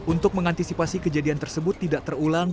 untuk mengantisipasi kejadian tersebut tidak terulang